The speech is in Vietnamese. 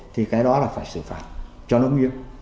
thì cái đó là phải xử phạt cho nó nghiêm